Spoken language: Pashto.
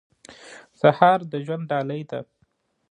سهار د ژوند ډالۍ ده.